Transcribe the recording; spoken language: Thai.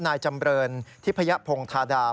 นายจำเรินทิพยพงธาดา